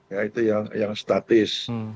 ya itu yang statis